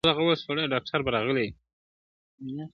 • د پښتونستان د ورځي -